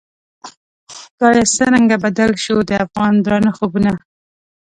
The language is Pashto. خدایه څرنګه بدل شوو، د افغان درانه خوبونه